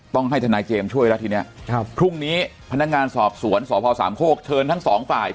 ต้องให้ทำนายเจมซ์ช่วยละทีเนี้ย